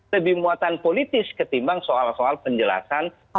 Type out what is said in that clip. lebih muatan politis ketimbang soal soal penjelasan